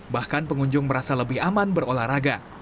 bahkan pengunjung merasa lebih aman berolahraga